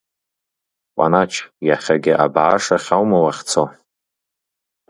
Кәанач иахьагьы абаашахь аума уахьцо?